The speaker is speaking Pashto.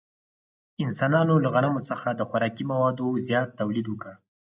انسانانو له غنمو څخه د خوراکي موادو زیات تولید وکړ.